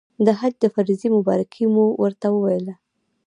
د حج د فرضې مبارکي مو ورته وویله.